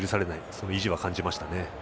その意地は感じましたね。